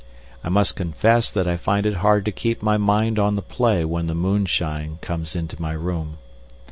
I must confess that I find it hard to keep my mind on the play when the moonshine comes into my room.